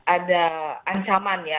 ada ancaman ya